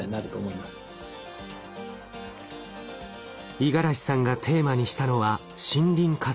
五十嵐さんがテーマにしたのは森林火災。